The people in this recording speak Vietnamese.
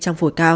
trong phổi cao